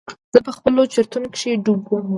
زه په خپلو چورتونو کښې ډوب وم.